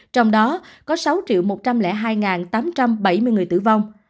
trong đó có sáu một trăm linh hai tám trăm bảy mươi người tử vong